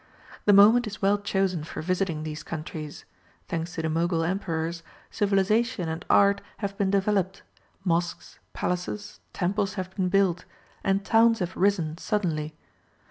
The moment is well chosen for visiting these countries. Thanks to the Mogul Emperors, civilization and art have been developed; mosques, palaces, temples have been built, and towns have risen suddenly.